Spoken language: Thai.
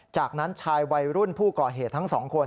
จากนั้นชายวัยรุ่นผู้ก่อเหตุทั้งสองคน